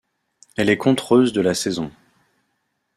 Elle est contreuse de la saison.